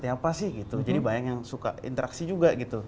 apa sih gitu jadi bayangin suka interaksi juga gitu